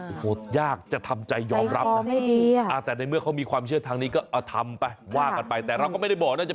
โอ้โหยากจะทำใจยอมรับนะ